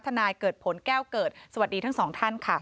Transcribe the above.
นายเกิดผลแก้วเกิดสวัสดีทั้งสองท่านค่ะ